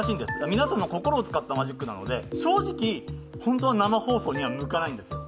皆さんの心を使ったマジックなので、正直本当は生放送には向かないんですよ。